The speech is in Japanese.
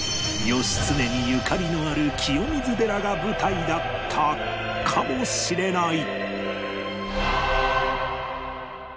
義経にゆかりのある清水寺が舞台だったかもしれない